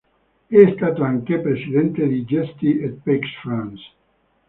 È stato anche presidente di "Justice et Paix France".